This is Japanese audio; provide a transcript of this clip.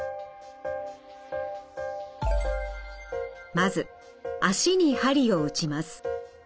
まず足に鍼を打ちます。